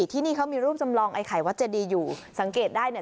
ที่นี่เขามีรูปจำลองไอไข่วัดเจดีอยู่สังเกตได้เนี่ย